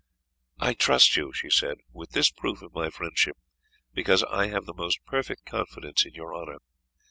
"I trust you," she said, "with this proof of my friendship, because I have the most perfect confidence in your honour.